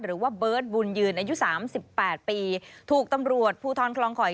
หรือว่าเบิร์ตบุญยืนอายุ๓๘ปีถูกตำรวจผู้ท้อนคลองข่อย